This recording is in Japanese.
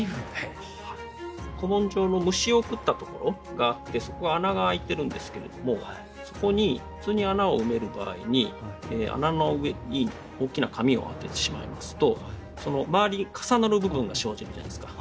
古文書の虫を食ったところがあってそこが穴が開いてるんですけれどもそこに普通に穴を埋める場合に穴の上に大きな紙を当ててしまいますとその周りに重なる部分が生じるじゃないですか。